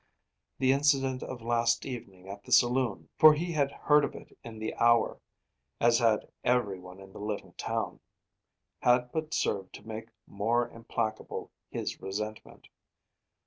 The incident of last evening at the saloon (for he had heard of it in the hour, as had every one in the little town) had but served to make more implacable his resentment.